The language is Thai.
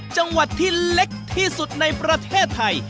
จังหวัดที่เล็กที่สุดในประเทศไทย